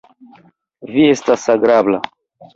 Vi estas agrabla.